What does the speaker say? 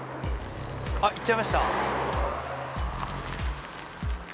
あっ、行っちゃいました。